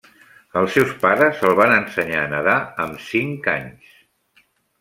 Els seus pares el van ensenyar a nedar amb cinc anys.